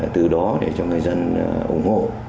từ đó để cho người dân ủng hộ